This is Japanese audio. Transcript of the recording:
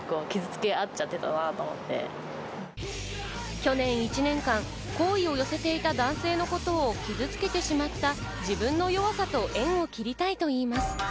去年１年間、好意を寄せていた男性のことを傷つけてしまった自分の弱さと縁を切りたいと言います。